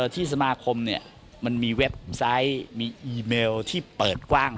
ที่สมาคมมันมีเว็บไซต์มีอีเมลที่เปิดกว้าง